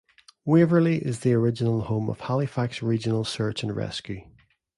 Waverley is the original home of Halifax Regional Search and Rescue.